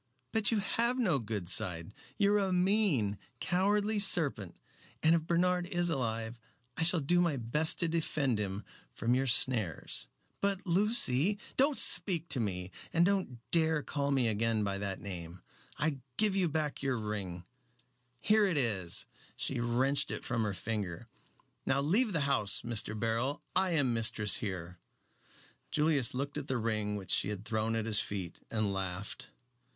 But you have no good side. You are a mean, cowardly serpent, and if Bernard is alive I shall do my best to defend him from your snares." "But Lucy " "Don't speak to me, and don't dare to call me again by that name. I give you back your ring here it is!" She wrenched it from her finger. "Now leave the house, Mr. Beryl. I am mistress here." Julius looked at the ring which she had thrown at his feet, and laughed.